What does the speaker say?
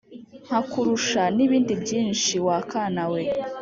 Nkakurusha n'ibindi byinshi wa kana we